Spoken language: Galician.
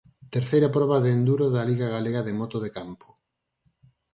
Terceira proba de enduro da Liga Galega de Moto de Campo.